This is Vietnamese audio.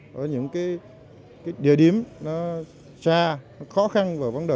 có những địa điểm xa khó khăn